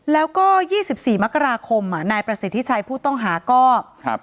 แล้วก็ยี่สิบสี่มกราคมอ่ะนายประสิทธิชัยผู้ต้องหาก็ครับ